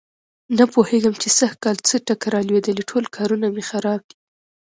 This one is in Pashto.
نه پوهېږم چې سږ کل څه ټکه را لوېدلې ټول کارونه مې خراب دي.